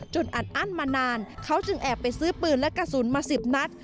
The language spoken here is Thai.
อัดอั้นมานานเขาจึงแอบไปซื้อปืนและกระสุนมา๑๐นัด